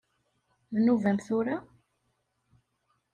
D nnuba-m tura?